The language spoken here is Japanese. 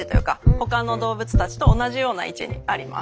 ほかの動物たちと同じような位置にあります。